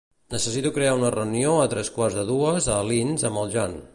Necessito crear una reunió a tres quarts de dues a Alins amb el Jan.